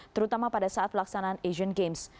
terutama pada saat pelaksanaan asian games